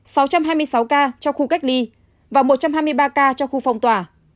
sáu trăm hai mươi sáu ca trong khu cách ly và một trăm hai mươi ba ca cho khu phong tỏa